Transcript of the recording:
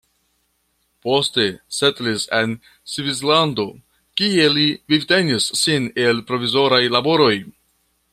Poste setlis en Svislando, kie li vivtenis sin el provizoraj laboroj.